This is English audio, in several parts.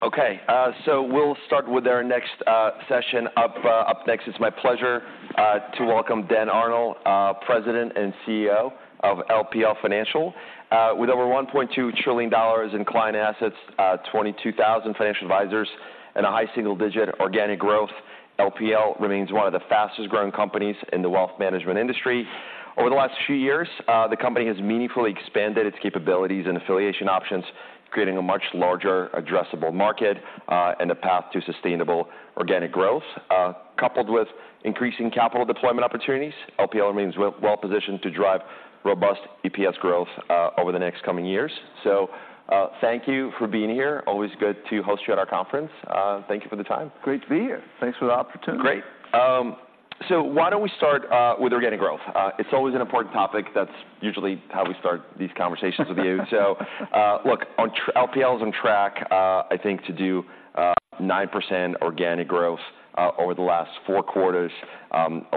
Okay, so we'll start with our next session. Up next, it's my pleasure to welcome Dan Arnold, President and CEO of LPL Financial. With over $1.2 trillion in client assets, 22,000 financial advisors, and a high single-digit organic growth, LPL remains one of the fastest-growing companies in the wealth management industry. Over the last few years, the company has meaningfully expanded its capabilities and affiliation options, creating a much larger addressable market and a path to sustainable organic growth. Coupled with increasing capital deployment opportunities, LPL remains well-positioned to drive robust EPS growth over the next coming years. So, thank you for being here. Always good to host you at our conference. Thank you for the time. Great to be here. Thanks for the opportunity. Great. So why don't we start with organic growth? It's always an important topic. That's usually how we start these conversations with you. So, look, LPL is on track, I think, to do 9% organic growth over the last four quarters. 11%,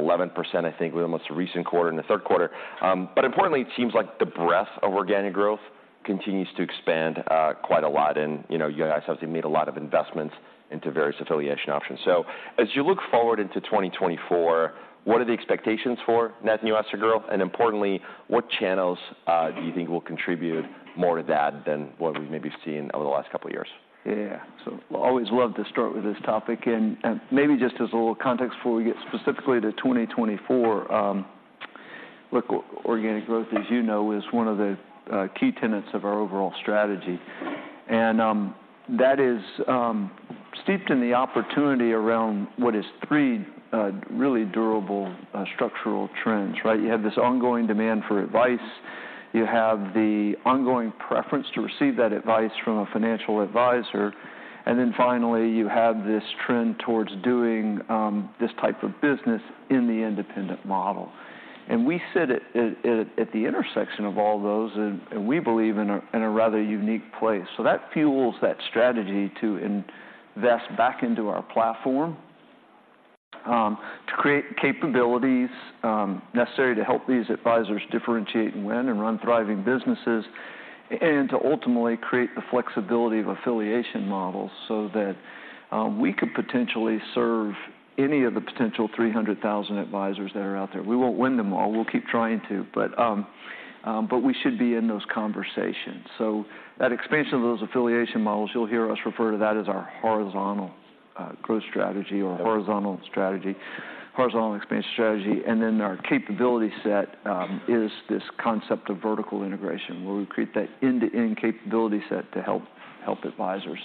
I think, with the most recent quarter, in the third quarter. But importantly, it seems like the breadth of organic growth continues to expand quite a lot. And, you know, you guys have obviously made a lot of investments into various affiliation options. So as you look forward into 2024, what are the expectations for net new asset growth? And importantly, what channels do you think will contribute more to that than what we've maybe seen over the last couple of years? Yeah. So always love to start with this topic, and maybe just as a little context before we get specifically to 2024. Look, organic growth, as you know, is one of the key tenets of our overall strategy. And that is steeped in the opportunity around what is three really durable structural trends, right? You have this ongoing demand for advice. You have the ongoing preference to receive that advice from a financial advisor. And then finally, you have this trend towards doing this type of business in the independent model. And we sit at the intersection of all those, and we believe in a rather unique place. So that fuels that strategy to invest back into our platform, to create capabilities, necessary to help these advisors differentiate and win and run thriving businesses, and to ultimately create the flexibility of affiliation models so that, we could potentially serve any of the potential 300,000 advisors that are out there. We won't win them all. We'll keep trying to, but, but we should be in those conversations. So that expansion of those affiliation models, you'll hear us refer to that as our horizontal growth strategy or horizontal strategy, horizontal expansion strategy. And then our capability set is this concept of vertical integration, where we create that end-to-end capability set to help advisors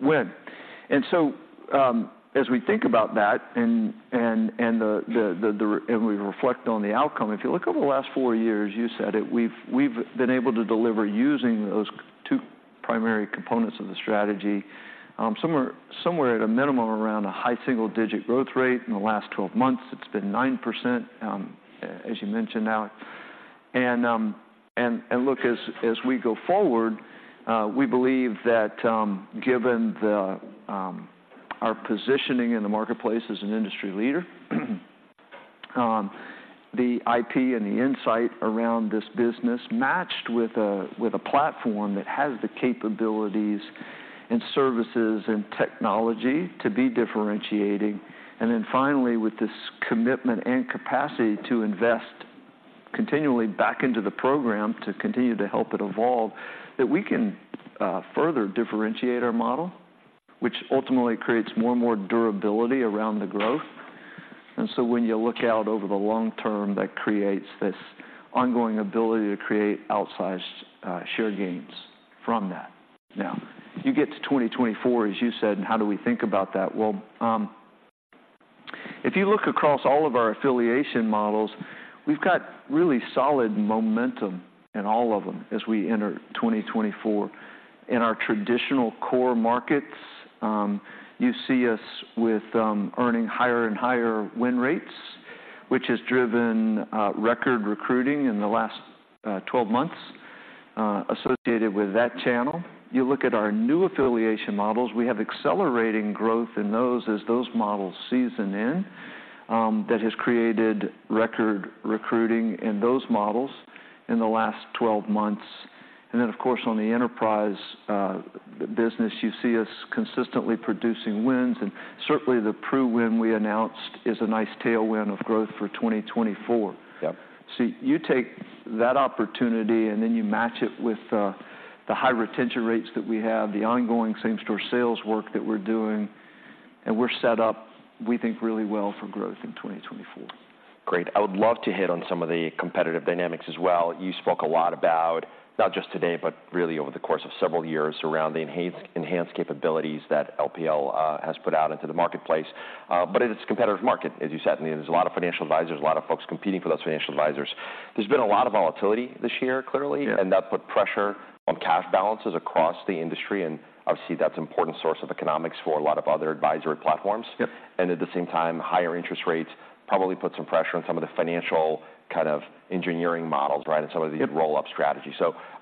win. And so, as we think about that and the... And we reflect on the outcome. If you look over the last four years, you said it, we've been able to deliver using those two primary components of the strategy, somewhere at a minimum around a high single-digit growth rate. In the last 12 months, it's been 9%, as you mentioned now. And look, as we go forward, we believe that, given our positioning in the marketplace as an industry leader, the IP and the insight around this business matched with a platform that has the capabilities and services and technology to be differentiating. And then finally, with this commitment and capacity to invest continually back into the program, to continue to help it evolve, that we can further differentiate our model, which ultimately creates more and more durability around the growth. And so when you look out over the long term, that creates this ongoing ability to create outsized share gains from that. Now, you get to 2024, as you said, and how do we think about that? Well, if you look across all of our affiliation models, we've got really solid momentum in all of them as we enter 2024. In our traditional core markets, you see us with earning higher and higher win rates, which has driven record recruiting in the last 12 months associated with that channel. You look at our new affiliation models, we have accelerating growth in those as those models season in, that has created record recruiting in those models in the last 12 months. And then, of course, on the enterprise business, you see us consistently producing wins, and certainly, the Pru win we announced is a nice tailwind of growth for 2024. You take that opportunity, and then you match it with the high retention rates that we have, the ongoing same-store sales work that we're doing, and we're set up, we think, really well for growth in 2024. Great. I would love to hit on some of the competitive dynamics as well. You spoke a lot about, not just today, but really over the course of several years, around the enhanced capabilities that LPL has put out into the marketplace. But it's a competitive market, as you said. I mean, there's a lot of financial advisors, a lot of folks competing for those financial advisors. There's been a lot of volatility this year, clearly and that put pressure on cash balances across the industry, and obviously, that's an important source of economics for a lot of other advisory platforms. At the same time, higher interest rates probably put some pressure on some of the financial kind of engineering models, right? Some of the roll-up strategy.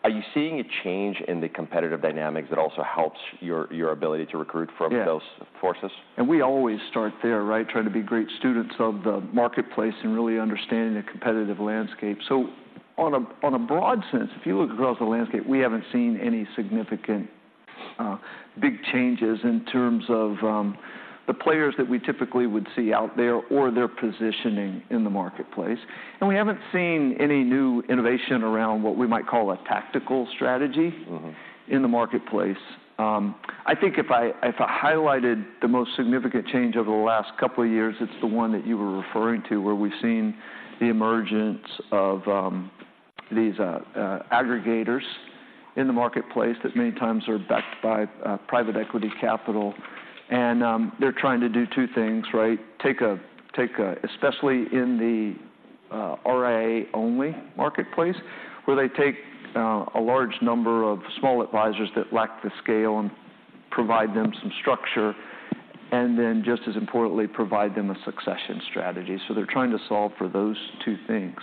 Are you seeing a change in the competitive dynamics that also helps your, your ability to recruit from those forces? We always start there, right? Trying to be great students of the marketplace and really understanding the competitive landscape. In a broad sense, if you look across the landscape, we haven't seen any significant big changes in terms of the players that we typically would see out there or their positioning in the marketplace. And we haven't seen any new innovation around what we might call a tactical strategy in the marketplace. I think if I highlighted the most significant change over the last couple of years, it's the one that you were referring to, where we've seen the emergence of these aggregators in the marketplace that many times are backed by private equity capital. And they're trying to do two things, right? Take a -- especially in the RIA-only marketplace, where they take a large number of small advisors that lack the scale and provide them some structure, and then, just as importantly, provide them a succession strategy. So they're trying to solve for those two things.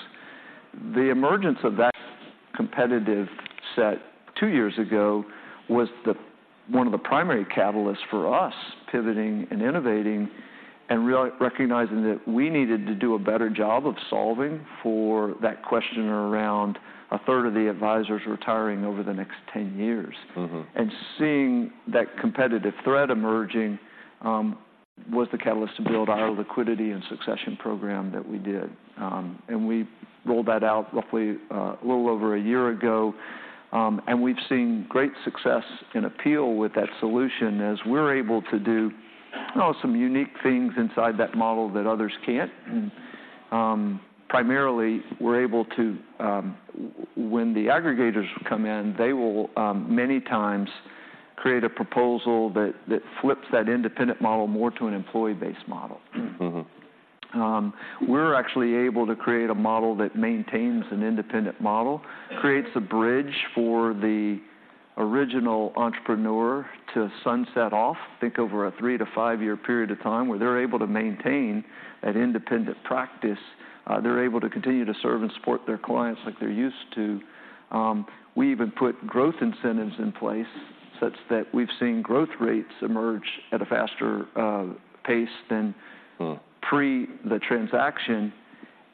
The emergence of that competitive set two years ago was the one of the primary catalysts for us, pivoting and innovating and recognizing that we needed to do a better job of solving for that question around 1/3 of the advisors retiring over the next 10 years. And seeing that competitive threat emerging was the catalyst to build our Liquidity & Succession program that we did. And we rolled that out roughly, a little over a year ago, and we've seen great success and appeal with that solution, as we're able to do some unique things inside that model that others can't. Primarily, we're able to— When the aggregators come in, they will many times create a proposal that, that flips that independent model more to an employee-based model. We're actually able to create a model that maintains an independent model, creates a bridge for the original entrepreneur to sunset off, think over a three- to five-year period of time, where they're able to maintain that independent practice. They're able to continue to serve and support their clients like they're used to. We even put growth incentives in place such that we've seen growth rates emerge at a faster pace than prior the transaction.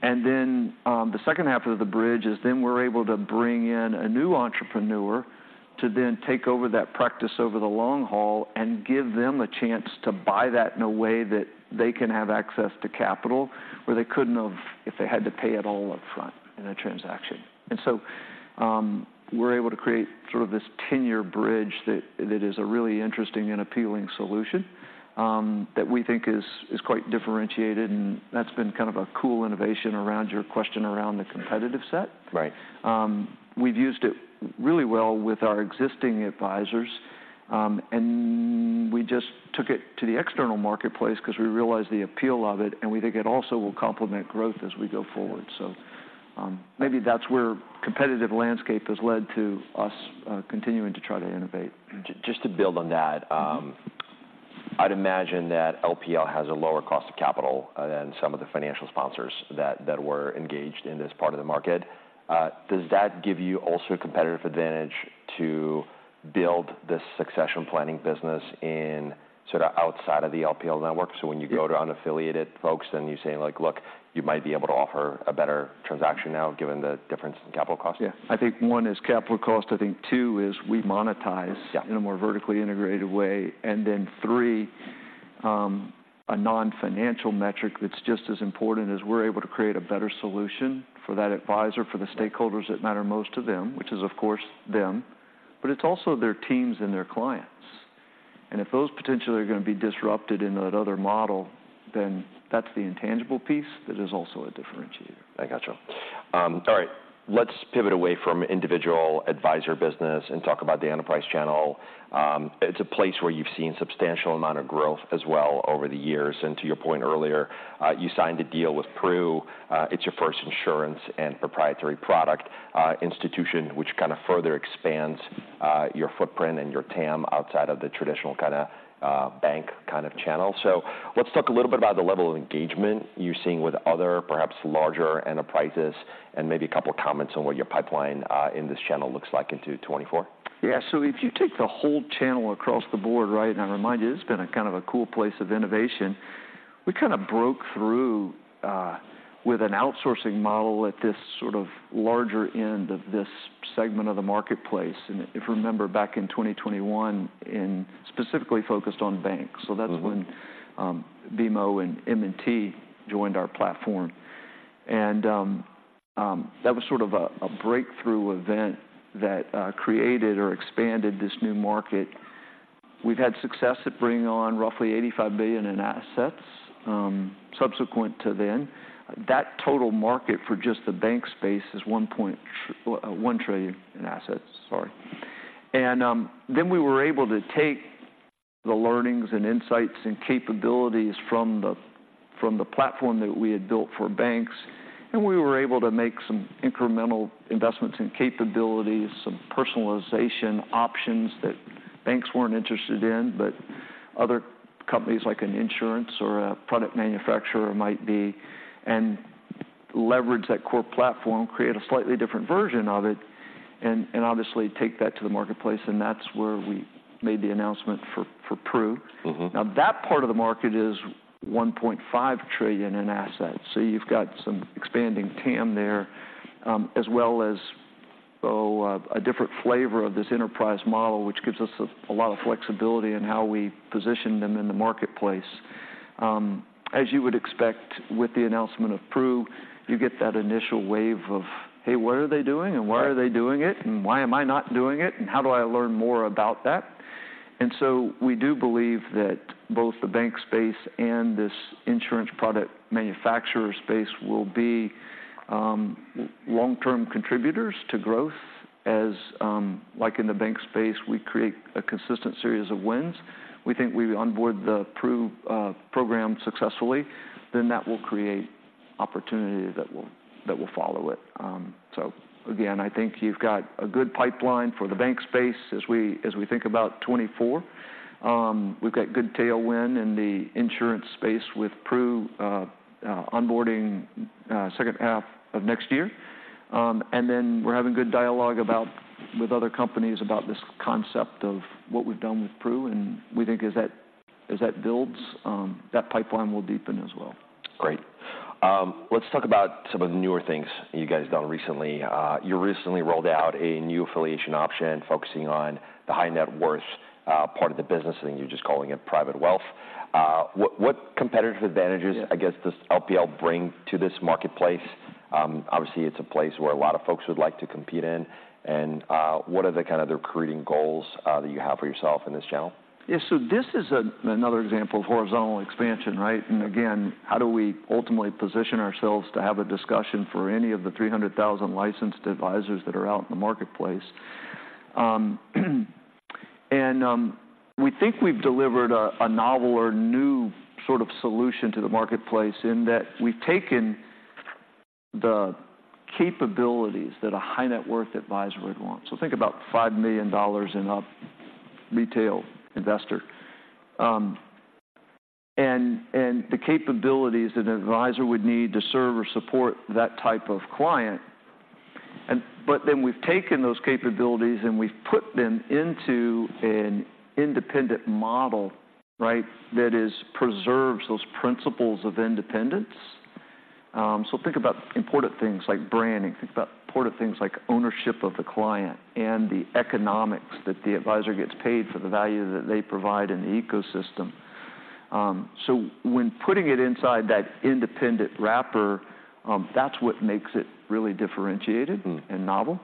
And then, the second half of the bridge is then we're able to bring in a new entrepreneur to then take over that practice over the long haul and give them a chance to buy that in a way that they can have access to capital, where they couldn't have if they had to pay it all upfront in a transaction. And so, we're able to create sort of this tenure bridge that is a really interesting and appealing solution, that we think is quite differentiated, and that's been kind of a cool innovation around your question around the competitive set. We've used it really well with our existing advisors, and we just took it to the external marketplace 'cause we realized the appeal of it, and we think it also will complement growth as we go forward. Maybe that's where competitive landscape has led to us continuing to try to innovate. Just to build on that, I'd imagine that LPL has a lower cost of capital than some of the financial sponsors that were engaged in this part of the market. Does that give you also a competitive advantage to build this succession planning business in sort of outside of the LPL network? So when you go to unaffiliated folks, then you're saying, like: "Look, you might be able to offer a better transaction now, given the difference in capital cost? Yeah. I think, one is capital cost. I think two is we monetize in a more vertically integrated way. And then three, a non-financial metric that's just as important is we're able to create a better solution for that advisor, for the stakeholders that matter most to them, which is, of course, them, but it's also their teams and their clients. And if those potentially are gonna be disrupted in that other model, then that's the intangible piece that is also a differentiator. I got you. All right, let's pivot away from individual advisor business and talk about the enterprise channel. It's a place where you've seen substantial amount of growth as well over the years, and to your point earlier, you signed a deal with Pru. It's your first insurance and proprietary product institution, which kind of further expands your footprint and your TAM outside of the traditional kind of bank kind of channel. So let's talk a little bit about the level of engagement you're seeing with other, perhaps larger enterprises, and maybe a couple of comments on what your pipeline in this channel looks like into 2024. Yeah. So if you take the whole channel across the board, right, and I remind you, it's been a kind of a cool place of innovation. We kind of broke through with an outsourcing model at this sort of larger end of this segment of the marketplace. And if you remember back in 2021, and specifically focused on banks. So that's when BMO and M&T joined our platform. And that was sort of a breakthrough event that created or expanded this new market. We've had success at bringing on roughly $85 billion in assets subsequent to then. That total market for just the bank space is $1 trillion in assets. Sorry. And then we were able to take the learnings and insights and capabilities from the platform that we had built for banks, and we were able to make some incremental investments in capabilities, some personalization options that banks weren't interested in, but other companies, like an insurance or a product manufacturer, might be, and leverage that core platform, create a slightly different version of it, and obviously take that to the marketplace, and that's where we made the announcement for Pru. Now, that part of the market is $1.5 trillion in assets, so you've got some expanding TAM there, as well as a different flavor of this enterprise model, which gives us a lot of flexibility in how we position them in the marketplace. As you would expect with the announcement of Pru, you get that initial wave of, "Hey, what are they doing? And why are they doing it? And why am I not doing it? And how do I learn more about that?" And so we do believe that both the bank space and this insurance product manufacturer space will be long-term contributors to growth as, like in the bank space, we create a consistent series of wins. We think we onboard the Pru program successfully, then that will create opportunity that will follow it. So again, I think you've got a good pipeline for the bank space as we, as we think about 2024. We've got good tailwind in the insurance space with Pru onboarding second half of next year. And then we're having good dialogue with other companies about this concept of what we've done with Pru, and we think as that, as that builds, that pipeline will deepen as well. Great. Let's talk about some of the newer things you guys have done recently. You recently rolled out a new affiliation option focusing on the high net worth part of the business, and you're just calling it Private Wealth. What competitive advantages, I guess, does LPL bring to this marketplace? Obviously, it's a place where a lot of folks would like to compete in, and what are the kind of the recruiting goals that you have for yourself in this channel? Yeah, so this is another example of horizontal expansion, right? And again, how do we ultimately position ourselves to have a discussion for any of the 300,000 licensed advisors that are out in the marketplace? And, we think we've delivered a novel or new sort of solution to the marketplace in that we've taken the capabilities that a high net worth advisor would want. So think about $5 million and up, retail investor, and, and the capabilities that an advisor would need to serve or support that type of client. And but then we've taken those capabilities, and we've put them into an independent model, right? That is, preserves those principles of independence. So think about important things like branding, think about important things like ownership of the client and the economics that the advisor gets paid for the value that they provide in the ecosystem. So when putting it inside that independent wrapper, that's what makes it really differentiated and novel.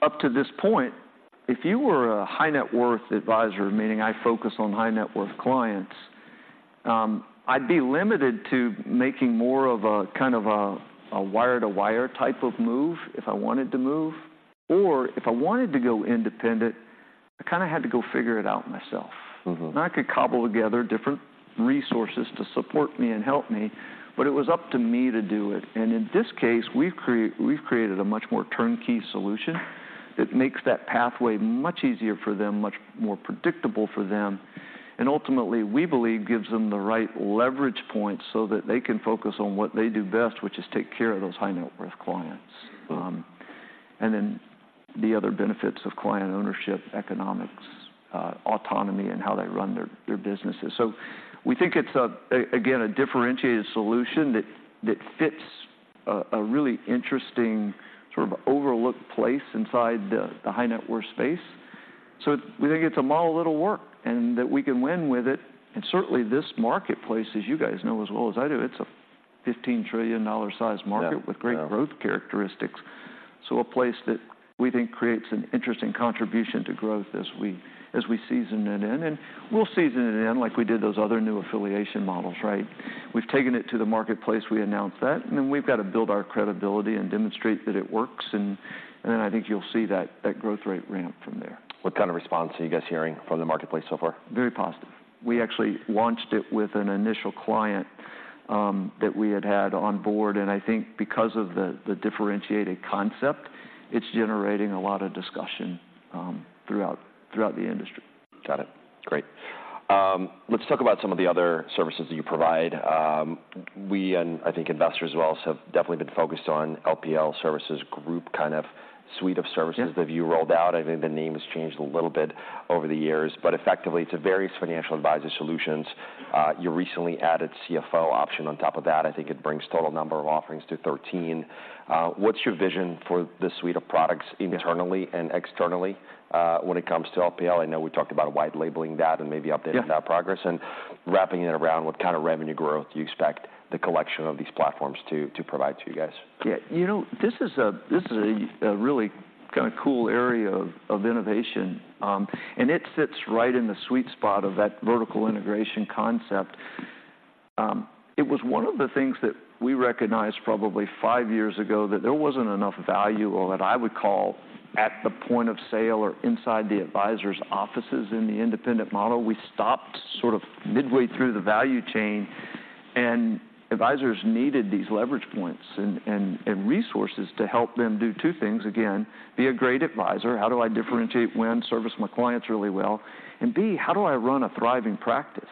Up to this point, if you were a high net worth advisor, meaning I focus on high net-worth clients, I'd be limited to making more of a, kind of a wire-to-wire type of move if I wanted to move, or if I wanted to go independent, I kinda had to go figure it out myself. I could cobble together different resources to support me and help me, but it was up to me to do it, and in this case, we've created a much more turnkey solution that makes that pathway much easier for them, much more predictable for them, and ultimately, we believe, gives them the right leverage point so that they can focus on what they do best, which is take care of those high net worth clients. And then the other benefits of client ownership, economics, autonomy, and how they run their businesses. We think it's again a differentiated solution that fits a really interesting, sort of overlooked place inside the high net-worth space. We think it's a model that'll work and that we can win with it. Certainly, this marketplace, as you guys know as well as I do, it's a $15 trillion size market with great growth characteristics. So a place that we think creates an interesting contribution to growth as we season it in, and we'll season it in like we did those other new affiliation models, right? We've taken it to the marketplace. We announced that, and then we've got to build our credibility and demonstrate that it works, and then I think you'll see that growth rate ramp from there. What kind of response are you guys hearing from the marketplace so far? Very positive. We actually launched it with an initial client that we had had on board, and I think because of the differentiated concept, it's generating a lot of discussion throughout the industry. Got it. Great. Let's talk about some of the other services that you provide. We and, I think investors as well, have definitely been focused on LPL Services Group, kind of suite of services that you rolled out. I think the name has changed a little bit over the years, but effectively, it's a various financial advisor solutions. You recently added CFO option on top of that. I think it brings total number of offerings to 13. What's your vision for this suite of products internally and externally, when it comes to LPL? I know we talked about white labeling that and maybe updating that progress and wrapping it around, what kind of revenue growth do you expect the collection of these platforms to provide to you guys? Yeah, you know, this is a really kinda cool area of innovation, and it sits right in the sweet spot of that vertical integration concept. It was one of the things that we recognized probably five years ago, that there wasn't enough value or that I would call at the point of sale or inside the advisor's offices in the independent model. We stopped sort of midway through the value chain, and advisors needed these leverage points and resources to help them do two things: again, be a great advisor, "How do I differentiate, win, service my clients really well?" And B, "How do I run a thriving practice?"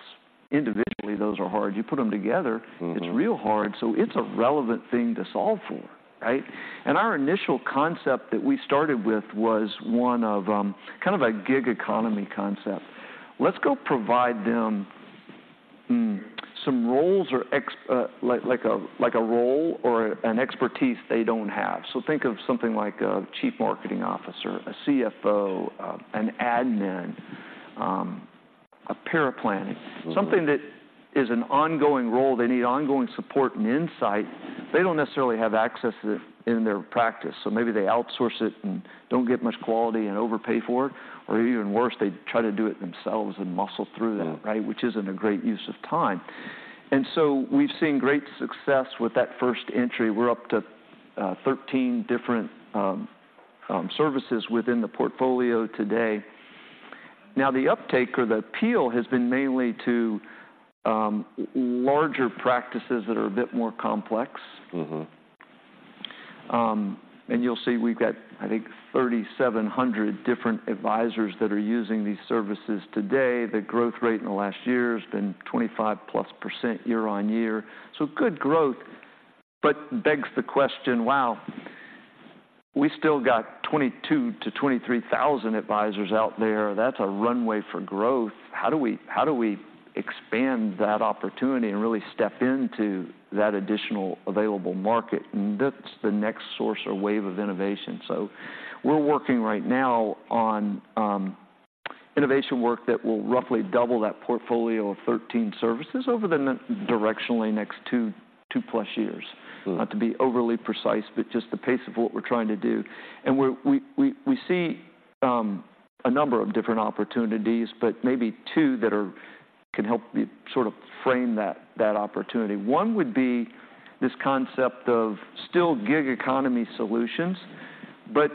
Individually, those are hard. You put them together, it's real hard, so it's a relevant thing to solve for, right? And our initial concept that we started with was one of, kind of a gig economy concept. Let's go provide them, some roles or like a role or an expertise they don't have. So think of something like a chief marketing officer, a CFO, an admin, a paraplanner. Something that is an ongoing role. They need ongoing support and insight. They don't necessarily have access to it in their practice, so maybe they outsource it and don't get much quality and overpay for it. Or even worse, they try to do it themselves and muscle through that, right? Which isn't a great use of time. And so we've seen great success with that first entry. We're up to 13 different services within the portfolio today. Now, the uptake or the appeal has been mainly to larger practices that are a bit more complex. And you'll see we've got, I think, 3,700 different advisors that are using these services today. The growth rate in the last year has been 25%+ year-on-year. So good growth, but begs the question, wow, we still got 22,000-23,000 advisors out there. That's a runway for growth. How do we, how do we expand that opportunity and really step into that additional available market? And that's the next source or wave of innovation. So we're working right now on innovation work that will roughly double that portfolio of 13 services over the directionally next two, two-plus years. Not to be overly precise, but just the pace of what we're trying to do. And we see a number of different opportunities, but maybe two that can help me sort of frame that opportunity. One would be this concept of still gig economy solutions, but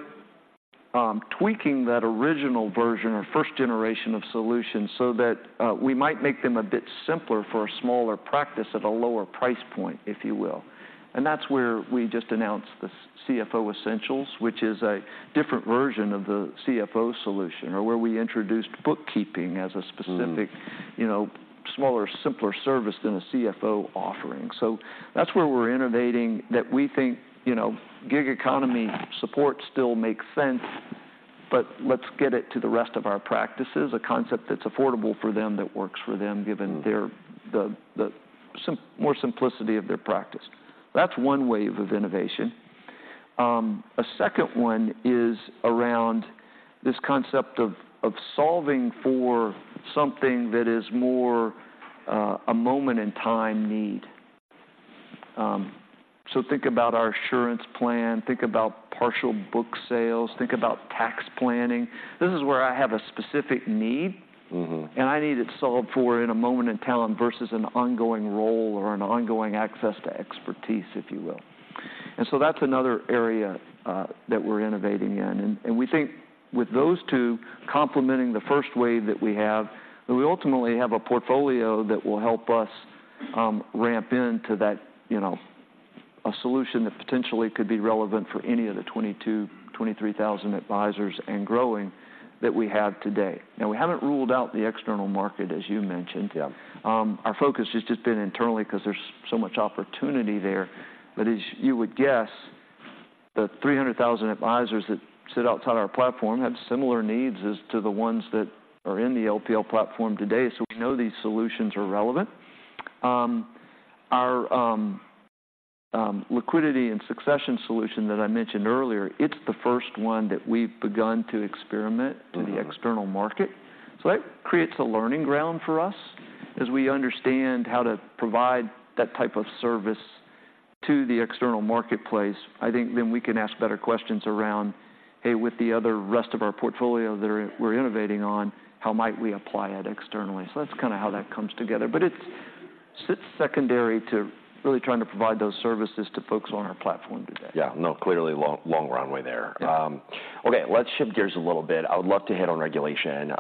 tweaking that original version or first generation of solutions so that we might make them a bit simpler for a smaller practice at a lower price point, if you will. And that's where we just announced the CFO Essentials, which is a different version of the CFO Solution, or where we introduced bookkeeping as a specific, you know, smaller, simpler service than a CFO offering. So that's where we're innovating, that we think, you know, gig economy support still makes sense, but let's get it to the rest of our practices, a concept that's affordable for them, that works for them, given more simplicity of their practice. That's one wave of innovation. A second one is around this concept of solving for something that is more a moment-in-time need. So think about our Assurance Plan, think about partial book sales, think about tax planning. This is where I have a specific need. And I need it solved for in a moment in time versus an ongoing role or an ongoing access to expertise, if you will. And so that's another area that we're innovating in. And we think with those two complementing the first wave that we have, that we ultimately have a portfolio that will help us ramp into that, you know, a solution that potentially could be relevant for any of the 22,000, 23,000 advisors, and growing, that we have today. Now, we haven't ruled out the external market, as you mentioned. Our focus has just been internally 'cause there's so much opportunity there. But as you would guess, the 300,000 advisors that sit outside our platform have similar needs as to the ones that are in the LPL platform today. So we know these solutions are relevant. Our liquidity and succession solution that I mentioned earlier, it's the first one that we've begun to experiment to the external market. So that creates a learning ground for us. As we understand how to provide that type of service to the external marketplace, I think then we can ask better questions around, "Hey, with the other rest of our portfolio that we're innovating on, how might we apply it externally?" So that's kinda how that comes together, but it sits secondary to really trying to provide those services to folks on our platform today. Yeah. No, clearly long, long runway there. Okay, let's shift gears a little bit. I would love to hit on regulation.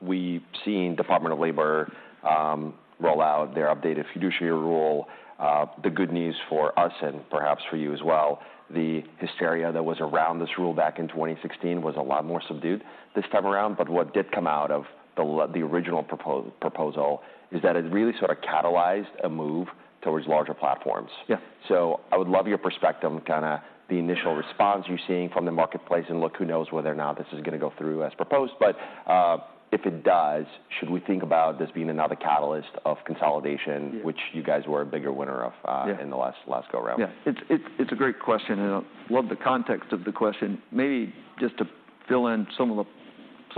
We've seen Department of Labor roll out their updated fiduciary rule. The good news for us, and perhaps for you as well, the hysteria that was around this rule back in 2016 was a lot more subdued this time around. But what did come out of the original proposal is that it really sort of catalyzed a move towards larger platforms. So I would love your perspective on kinda the initial response you're seeing from the marketplace. And look, who knows whether or not this is gonna go through as proposed, but, if it does, should we think about this being another catalyst of consolidation which you guys were a bigger winner of in the last, last go around? Yeah. It's a great question, and I love the context of the question. Maybe just to fill in some of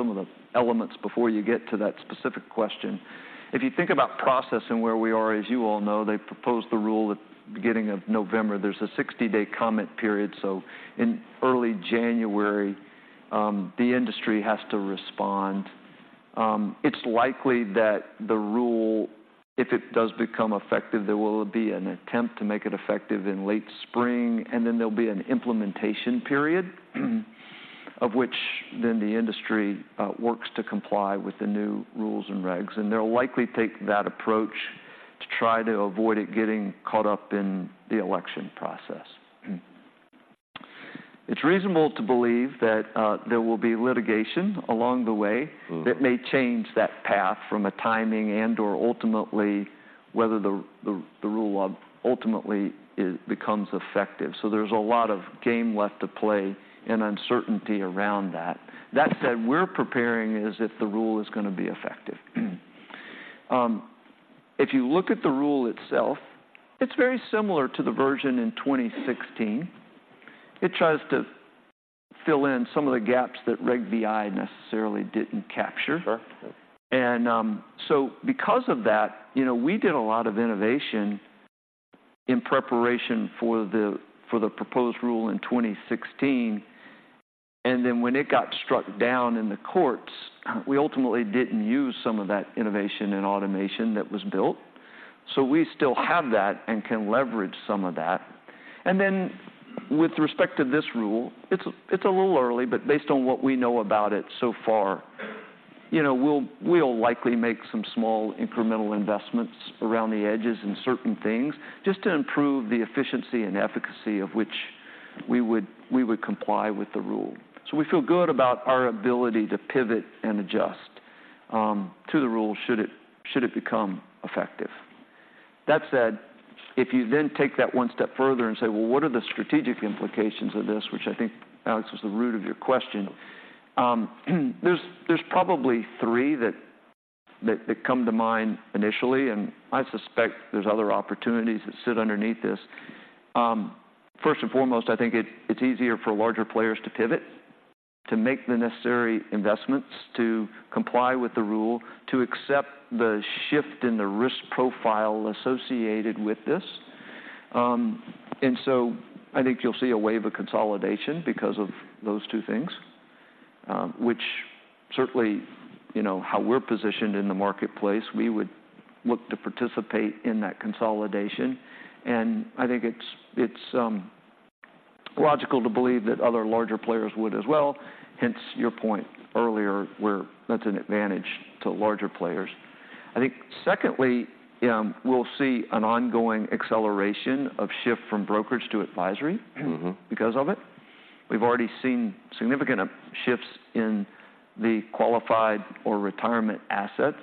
the elements before you get to that specific question. If you think about process and where we are, as you all know, they proposed the rule at the beginning of November. There's a 60-day comment period, so in early January, the industry has to respond. It's likely that the rule, if it does become effective, there will be an attempt to make it effective in late spring, and then there'll be an implementation period, of which then the industry works to comply with the new rules and regs. And they'll likely take that approach to try to avoid it getting caught up in the election process. It's reasonable to believe that, there will be litigation along the way that may change that path from a timing and/or ultimately, whether the rule ultimately is-- becomes effective. So there's a lot of game left to play and uncertainty around that. That said, we're preparing as if the rule is going to be effective. If you look at the rule itself, it's very similar to the version in 2016. It tries to fill in some of the gaps that Reg BI necessarily didn't capture. And so because of that, you know, we did a lot of innovation in preparation for the, for the proposed rule in 2016, and then when it got struck down in the courts, we ultimately didn't use some of that innovation and automation that was built. So we still have that and can leverage some of that. And then with respect to this rule, it's a little early, but based on what we know about it so far, you know, we'll likely make some small incremental investments around the edges in certain things, just to improve the efficiency and efficacy of which we would comply with the rule. So we feel good about our ability to pivot and adjust to the rule, should it become effective. That said, if you then take that one step further and say, "Well, what are the strategic implications of this?" Which I think, Alex, is the root of your question. There's probably three that come to mind initially, and I suspect there's other opportunities that sit underneath this. First and foremost, I think it's easier for larger players to pivot, to make the necessary investments, to comply with the rule, to accept the shift in the risk profile associated with this. And so I think you'll see a wave of consolidation because of those two things, which certainly, you know, how we're positioned in the marketplace, we would look to participate in that consolidation. And I think it's logical to believe that other larger players would as well, hence your point earlier, where that's an advantage to larger players. I think secondly, we'll see an ongoing acceleration of shift from brokerage to advisory because of it. We've already seen significant shifts in the qualified or retirement assets.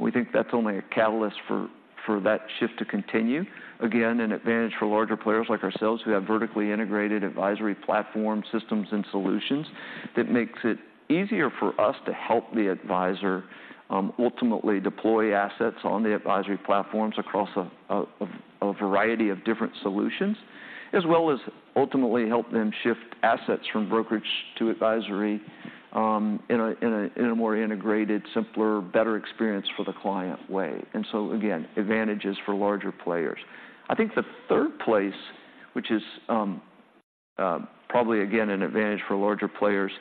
We think that's only a catalyst for that shift to continue. Again, an advantage for larger players like ourselves, who have vertically integrated advisory platform systems and solutions, that makes it easier for us to help the advisor ultimately deploy assets on the advisory platforms across a variety of different solutions, as well as ultimately help them shift assets from brokerage to advisory in a more integrated, simpler, better experience for the client way. And so again, advantages for larger players. I think the third place, probably again, an advantage for larger players,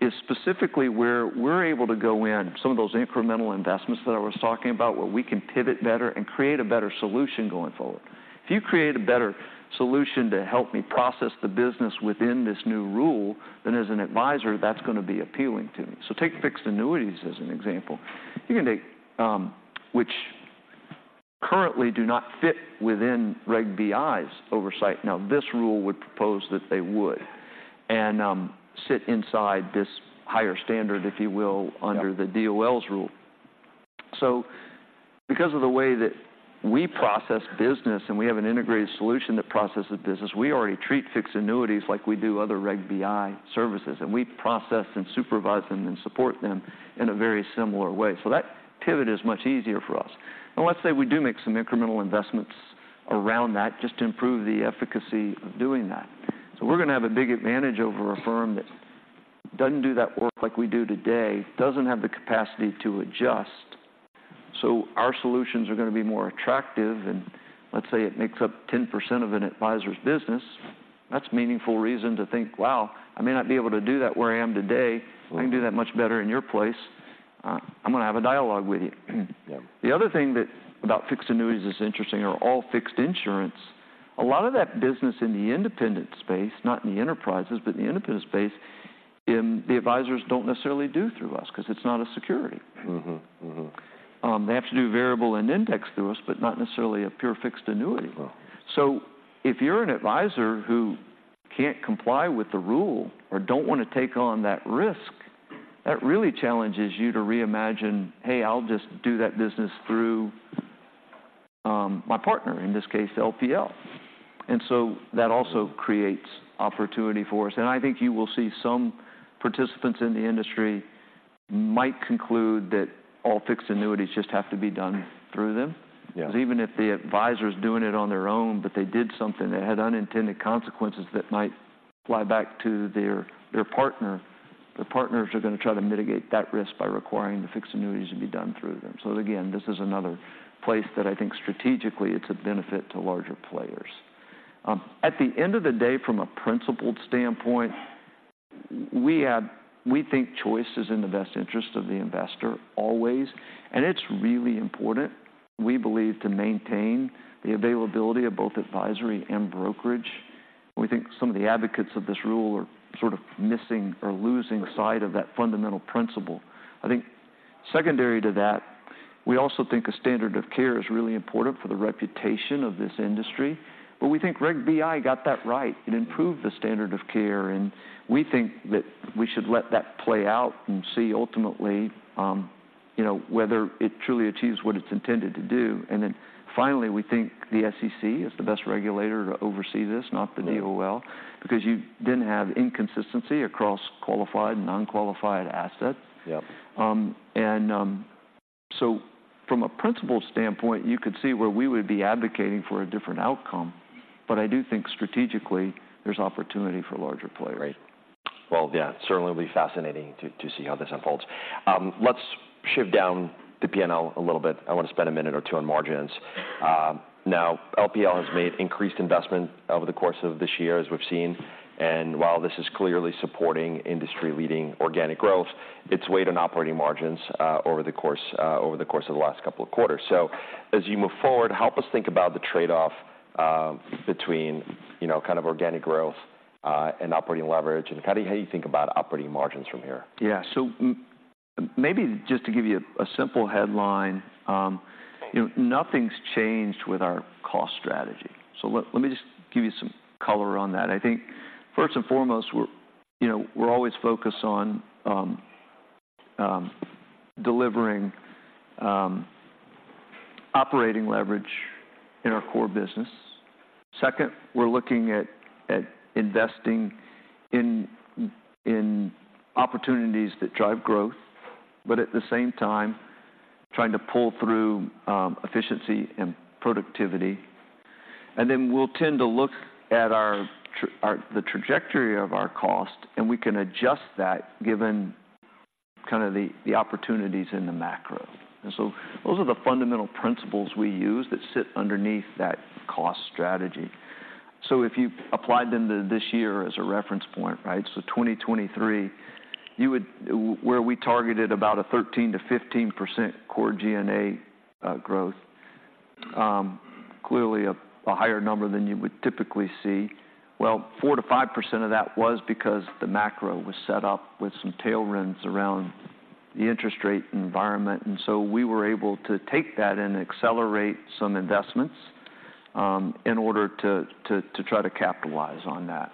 is specifically where we're able to go in some of those incremental investments that I was talking about, where we can pivot better and create a better solution going forward. If you create a better solution to help me process the business within this new rule, then as an advisor, that's going to be appealing to me. So take fixed annuities as an example. You can take, which currently do not fit within Reg BI's oversight. Now, this rule would propose that they would and, sit inside this higher standard, if you will, under the DOL's rule. So because of the way that we process business, and we have an integrated solution that processes business, we already treat fixed annuities like we do other Reg BI services, and we process and supervise them and support them in a very similar way. So that pivot is much easier for us. And let's say we do make some incremental investments around that just to improve the efficacy of doing that. So we're going to have a big advantage over a firm that doesn't do that work like we do today, doesn't have the capacity to adjust. So our solutions are going to be more attractive, and let's say it makes up 10% of an advisor's business. That's a meaningful reason to think, "Wow, I may not be able to do that where I am today. I can do that much better in your place. I'm going to have a dialogue with you." The other thing that about fixed annuities is interesting, are all fixed insurance. A lot of that business in the independent space, not in the enterprises, but in the independent space, the advisors don't necessarily do through us because it's not a security. They have to do variable and index through us, but not necessarily a pure fixed annuity. Well, so if you're an advisor who can't comply with the rule or don't want to take on that risk, that really challenges you to reimagine, "Hey, I'll just do that business through my partner," in this case, LPL. And so that also creates opportunity for us. And I think you will see some participants in the industry might conclude that all fixed annuities just have to be done through them. Because even if the advisor is doing it on their own, but they did something that had unintended consequences that might fly back to their partner, the partners are going to try to mitigate that risk by requiring the fixed annuities to be done through them. So again, this is another place that I think strategically it's a benefit to larger players. At the end of the day, from a principled standpoint, we think choice is in the best interest of the investor, always. And it's really important, we believe, to maintain the availability of both advisory and brokerage. We think some of the advocates of this rule are sort of missing or losing sight of that fundamental principle. Secondary to that, we also think a standard of care is really important for the reputation of this industry. But we think Reg BI got that right. It improved the standard of care, and we think that we should let that play out and see ultimately, you know, whether it truly achieves what it's intended to do. And then finally, we think the SEC is the best regulator to oversee this, not the DOL, because you then have inconsistency across qualified, non-qualified assets. From a principal standpoint, you could see where we would be advocating for a different outcome, but I do think strategically there's opportunity for larger players. Right. Well, yeah, it certainly will be fascinating to see how this unfolds. Let's shift down the P&L a little bit. I want to spend a minute or two on margins. Now, LPL has made increased investment over the course of this year, as we've seen, and while this is clearly supporting industry-leading organic growth, it's weighed on operating margins over the course of the last couple of quarters. So as you move forward, help us think about the trade-off between, you know, kind of organic growth and operating leverage, and how do you think about operating margins from here? Yeah. So maybe just to give you a simple headline, you know, nothing's changed with our cost strategy. So let me just give you some color on that. I think first and foremost, we're, you know, we're always focused on delivering operating leverage in our core business. Second, we're looking at investing in opportunities that drive growth, but at the same time, trying to pull through efficiency and productivity. And then we'll tend to look at the trajectory of our cost, and we can adjust that given kind of the opportunities in the macro. And so those are the fundamental principles we use that sit underneath that cost strategy. So if you applied them to this year as a reference point, right? So 2023, you would...Where we targeted about a 13%-15% core G&A growth, clearly a higher number than you would typically see. Well, 4%-5% of that was because the macro was set up with some tailwinds around the interest rate environment, and so we were able to take that and accelerate some investments in order to try to capitalize on that.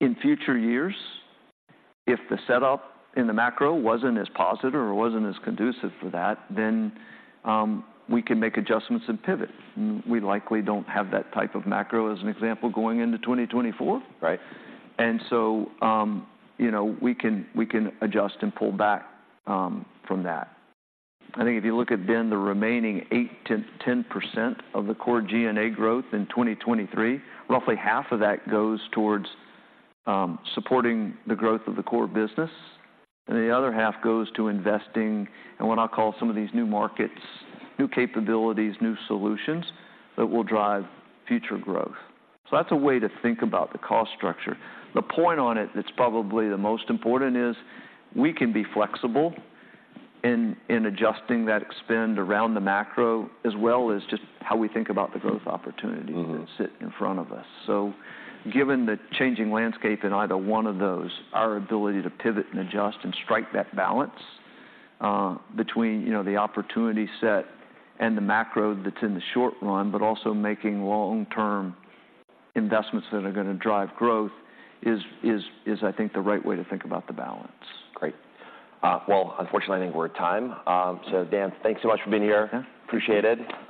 In future years, if the setup in the macro wasn't as positive or wasn't as conducive for that, then we can make adjustments and pivot. We likely don't have that type of macro as an example, going into 2024. And so, you know, we can adjust and pull back from that. I think if you look at then the remaining 8%-10% of the core G&A growth in 2023, roughly half of that goes towards supporting the growth of the core business, and the other half goes to investing in what I'll call some of these new markets, new capabilities, new solutions that will drive future growth. So that's a way to think about the cost structure. The point on it that's probably the most important is we can be flexible in adjusting that spend around the macro, as well as just how we think about the growth opportunities that sit in front of us. So given the changing landscape in either one of those, our ability to pivot and adjust and strike that balance, between, you know, the opportunity set and the macro that's in the short run, but also making long-term investments that are going to drive growth is, I think, the right way to think about the balance. Great. Well, unfortunately, I think we're at time. So Dan, thanks so much for being here. Yeah. Appreciate it.